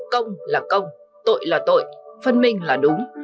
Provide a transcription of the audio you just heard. công là công tội là tội phân minh là đúng